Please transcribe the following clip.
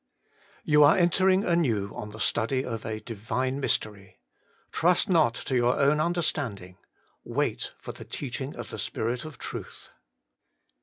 7. You are entering anew on the study of a Divine mystery. ' Trust not ta your own understanding ;' wait for the teaching of the Spirit of truth.